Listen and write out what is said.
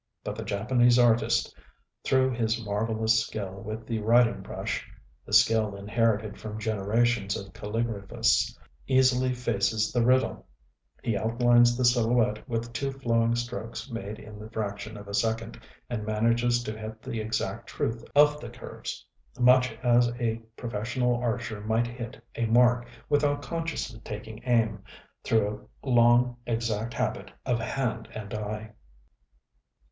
But the Japanese artist, through his marvellous skill with the writing brush, the skill inherited from generations of calligraphists, easily faces the riddle: he outlines the silhouette with two flowing strokes made in the fraction of a second, and manages to hit the exact truth of the curves, much as a professional archer might hit a mark, without consciously taking aim, through long exact habit of hand and eye.